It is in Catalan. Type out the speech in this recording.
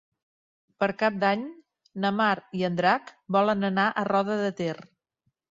Per Cap d'Any na Mar i en Drac volen anar a Roda de Ter.